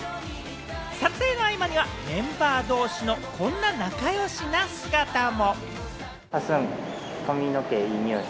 撮影の合間にはメンバー同士のこんな仲良しな姿も！